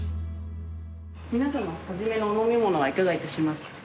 皆さま初めのお飲み物はいかがいたしますか？